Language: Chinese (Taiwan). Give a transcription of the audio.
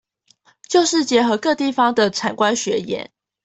就是結合各地方的產官學研